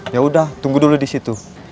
yaudah tunggu dulu disitu